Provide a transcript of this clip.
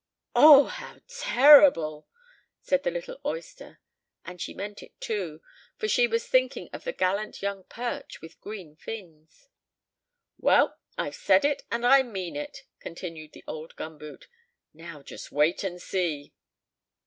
"Oh, how terrible!" said the little oyster; and she meant it too, for she was thinking of the gallant young perch with green fins. "Well, I've said it, and I mean it!" continued the old gum boot; "now just wait and see."